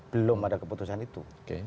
belum ada keputusan itu